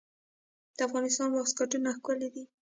د افغانستان واسکټونه ښکلي دي